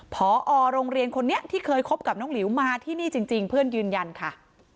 พอโรงเรียนคนนี้ที่เคยคบกับน้องหลิวมาที่นี่จริงเพื่อนยืนยันค่ะ